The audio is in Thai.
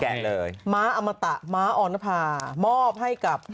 เลยม้าอมตะม้าออนภามอบให้กับ